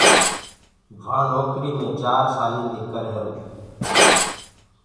وآ نوڪريٚ مي چار سالينٚ دي ڪر رهيرو هونٚ۔